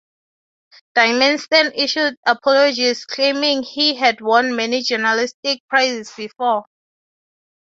Dimenstein issued apologies, claiming he "had won many journalistic prizes before".